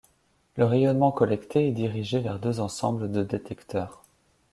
Le rayonnement collecté est dirigé vers deux ensembles de détecteurs.